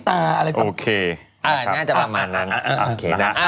อ่าน่าจะประมาณนั้น